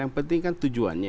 yang penting kan tujuannya